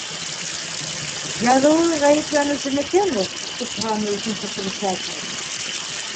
—Яҙыуы ғәйепләнеүсенекеме? —тип һораны икенсе присяжный.